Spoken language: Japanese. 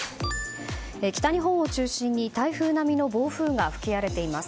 北日本を中心に台風並みの暴風が吹き荒れています。